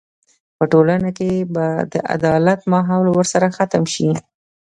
په ټولنه کې به د عدالت ماحول ورسره ختم شي.